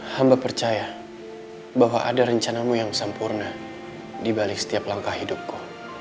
hamba percaya bahwa ada rencanamu yang sempurna dibalik setiap langkah hidupku